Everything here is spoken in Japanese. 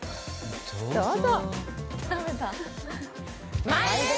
どうぞ。